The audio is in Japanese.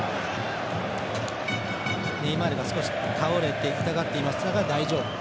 ネイマールが少し倒れて痛がっていましたが大丈夫。